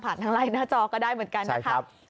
ทางไลน์หน้าจอก็ได้เหมือนกันนะครับ